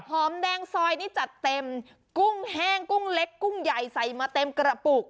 หอมแดงซอยนี่จัดเต็มกุ้งแห้งกุ้งเล็กกุ้งใหญ่ใส่มาเต็มกระปุก